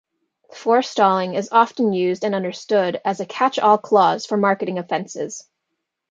Forestalling is often used and understood as a catch all clause for marketing offences.